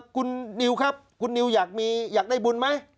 คุณนิวครับคุณนิวอยากได้บุญไหม